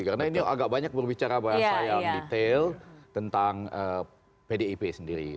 karena ini agak banyak berbicara bahasa yang detail tentang pdip sendiri